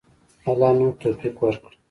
الله نور توفیق ورکړه.